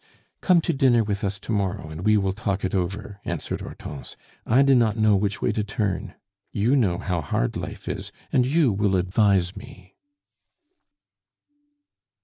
"Come to dinner with us to morrow, and we will talk it over," answered Hortense. "I do not know which way to turn; you know how hard life is, and you will advise me."